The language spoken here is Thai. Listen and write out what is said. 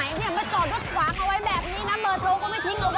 แบบนี้นะเบอร์โทรก็ไม่ทิ้งเอาไว้